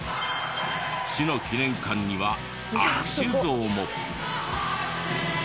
市の記念館には握手像も。